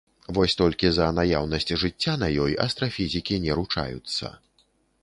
Вось толькі за наяўнасць жыцця на ёй астрафізікі не ручаюцца.